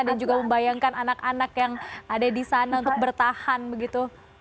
juga membayangkan anak anak yang ada di sana untuk bertahan begitu